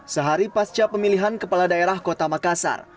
sehari pasca pemilihan kepala daerah kota makassar